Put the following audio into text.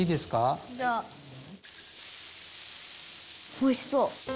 おいしそう！